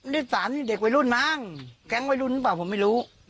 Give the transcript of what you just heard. ได้สารเด็กวัยรุ่นมั้งแก๊งวัยรุ่นหรือเปล่าผมไม่รู้